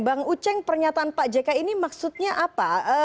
bang uceng pernyataan pak jk ini maksudnya apa